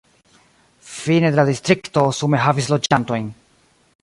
Fine de la distrikto sume havis loĝantojn.